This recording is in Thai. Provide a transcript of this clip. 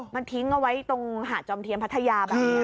มันทิ้งเอาไว้ตรงหาดจอมเทียมพัทยาแบบนี้